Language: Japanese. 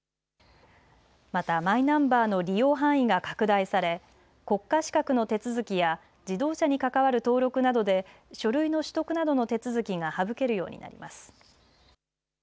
また、マイナンバーの利用範囲が拡大され国家資格の手続きや自動車に関わる登録などで書類の取得などの手続きが省けるようになります。